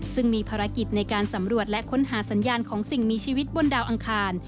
ซึ่งมีภารกิจในการสำรวจและค้นหาสัญญาณของสิ่งมีชีวิตบนดาวอังคาร